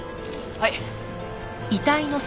はい。